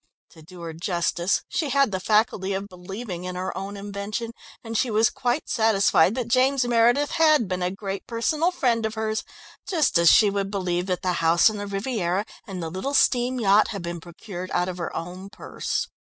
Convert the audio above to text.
To do her justice, she had the faculty of believing in her own invention, and she was quite satisfied that James Meredith had been a great personal friend of hers, just as she would believe that the house on the Riviera and the little steam yacht had been procured out of her own purse.